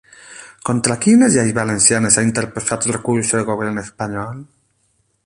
Contra quines lleis valencianes ha interposat recursos el govern espanyol?